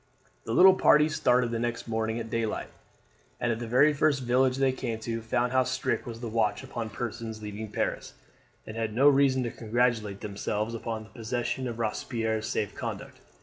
The little party started the next morning at day light, and at the very first village they came to, found how strict was the watch upon persons leaving Paris, and had reason to congratulate themselves upon the possession of Robespierre's safe conduct.